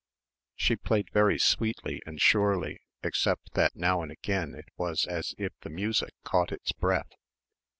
She played very sweetly and surely except that now and again it was as if the music caught its breath.